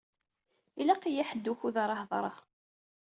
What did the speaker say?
Ilaq-iyi ḥedd ukud ara hedreɣ.